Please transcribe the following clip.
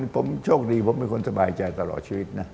ผมโชคดีผมเป็นคนสบายใจตลอดชีวิตนะ